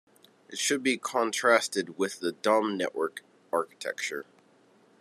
It should be contrasted with the dumb network architecture.